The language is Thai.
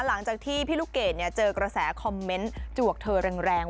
หลังจากที่พี่ลูกเกดเจอกระแสคอมเมนต์จวกเธอแรง